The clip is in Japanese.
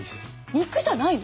肉じゃないの？